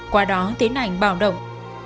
qua đó tiến ảnh bào động